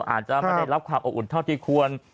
อาจจะไม่ได้รับความอบอุ่นเท่าที่ควร